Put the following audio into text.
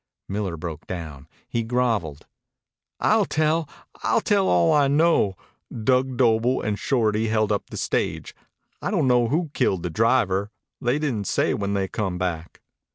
Miller broke down. He groveled. "I'll tell. I'll tell all I know. Dug Doble and Shorty held up the stage. I don' know who killed the driver. They didn't say when they come back."